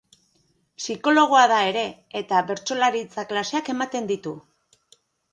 Psikologoa da ere eta bertsolaritza klaseak ematen ditu.